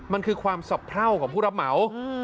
มันคือความสะเพราของผู้รับเหมา